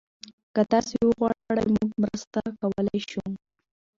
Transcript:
که تاسي وغواړئ، موږ مرسته کولی شو.